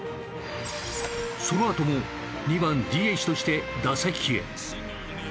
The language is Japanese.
そのあとも２番ＤＨとして打席へ。